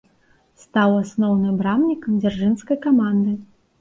Стаў асноўным брамнікам дзяржынскай каманды.